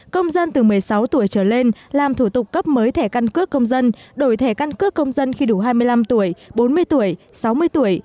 công dân từ một mươi sáu tuổi trở lên làm thủ tục cấp mới thẻ căn cước công dân đổi thẻ căn cước công dân khi đủ hai mươi năm tuổi bốn mươi tuổi sáu mươi tuổi